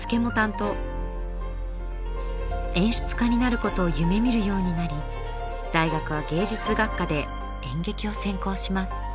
演出家になることを夢みるようになり大学は芸術学科で演劇を専攻します。